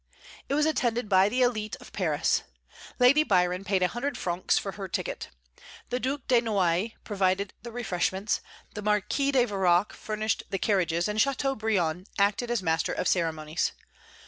It was attended by the élite of Paris. Lady Byron paid a hundred francs for her ticket. The Due de Noailles provided the refreshments, the Marquis de Verac furnished the carriages, and Châteaubriand acted as master of ceremonies.